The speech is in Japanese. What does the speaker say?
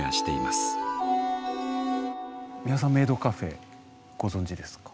美輪さんメイドカフェご存じですか？